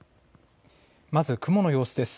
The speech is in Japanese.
まず雲の様子です。